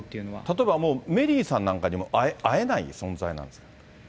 例えばもうメリーさんなんかにも会えない存在なんですか。